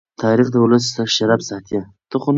تاریخ د ولس شرف ساتي.